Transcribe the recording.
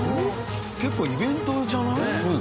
結構イベントじゃない？